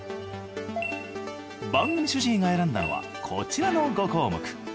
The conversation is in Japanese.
番組主治医が選んだのはこちらの５項目。